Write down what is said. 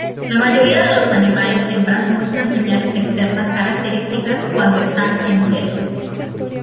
La mayoría de los animales hembras muestran señales externas características cuando están "en celo".